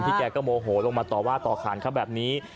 แกก็โมโหลงมาต่อว่าต่อขานเขาแบบนี้